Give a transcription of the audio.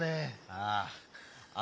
ああ。